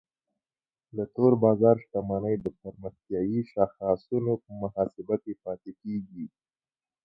د تور بازار شتمنۍ د پرمختیایي شاخصونو په محاسبه کې پاتې کیږي.